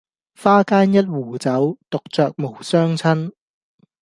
花間一壺酒，獨酌無相親